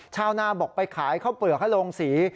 ชาวนาบอกไปขายข้าวเปลือกให้โรงสี